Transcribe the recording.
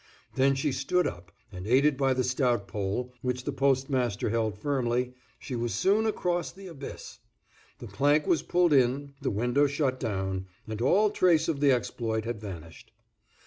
Then she stood up, and, aided by the stout pole, which the postmaster held firmly, she was soon across the abyss. The plank was pulled in, the window shut down, and all trace of the exploit had vanished.